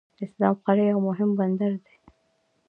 اسلام قلعه یو مهم بندر دی.